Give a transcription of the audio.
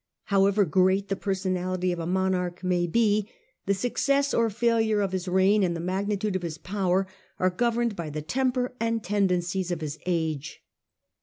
However great the personality of a monarch may be, the success or failure of his reign and the magnitude of his power are governed by the temper and tendencies of his age.